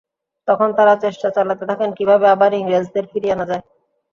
তখন তাঁরা চেষ্টা চালাতে থাকেন কীভাবে আবার ইংরেজদের ফিরিয়ে আনা যায়।